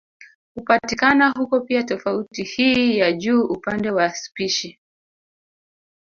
Hupatikana huko pia tofauti hii ya juu upande wa spishi